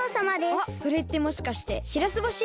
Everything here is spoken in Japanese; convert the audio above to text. あっそれってもしかしてしらす干し？